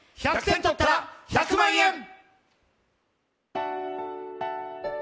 １００点とったら１００万円！